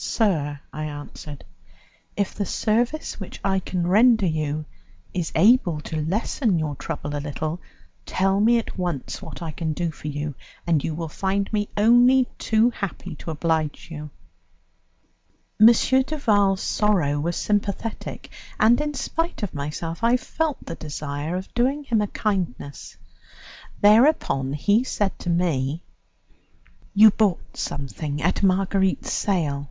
"Sir," I answered, "if the service which I can render you is able to lessen your trouble a little, tell me at once what I can do for you, and you will find me only too happy to oblige you." M. Duval's sorrow was sympathetic, and in spite of myself I felt the desire of doing him a kindness. Thereupon he said to me: "You bought something at Marguerite's sale?"